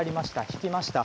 引きました。